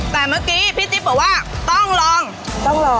อร่อยขนาดนี้ลองอองเอง